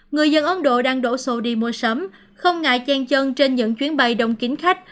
người dân ấn độ đang đổ xô đi mua sắm không ngại chen chân trên những chuyến bay đông kín khách